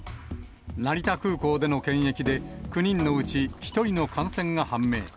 成田空港での検疫で、９人のうち１人の感染が判明。